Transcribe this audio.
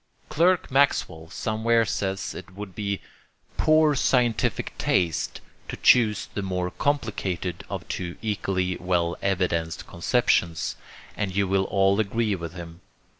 Clerk Maxwell somewhere says it would be "poor scientific taste" to choose the more complicated of two equally well evidenced conceptions; and you will all agree with him.